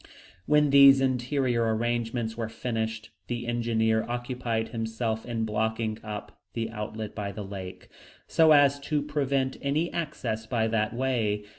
When these interior arrangements were finished, the engineer occupied himself in blocking up the outlet by the lake, so as to prevent any access by that way.